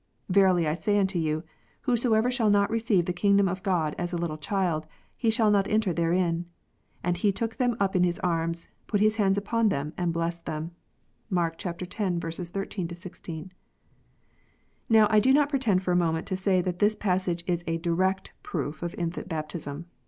Yerily I say unto you, "Whosoever shall not receive the kingdom of God as a little child, he shall not enter therein. And He took them up in His arms, put His hands upon them, and blessed them. " (Mark x. 1 3 1 6. ) Now I do not pretend for a moment to say that this passage is a direct proof of infant baptism.